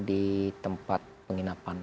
di tempat penginapan